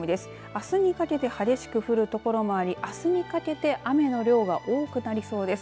あすにかけて激しく降るところもありあすにかけて雨の量が多くなりそうです。